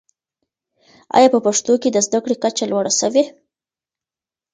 آیا په پښتنو کي د زده کړې کچه لوړه سوې؟